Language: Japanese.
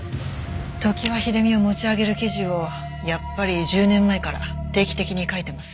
常盤秀美を持ち上げる記事をやっぱり１０年前から定期的に書いています。